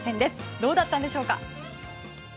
どうだったんでしょうか。